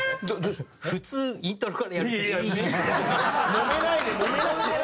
もめないでもめないで！